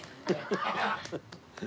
ハハハハ。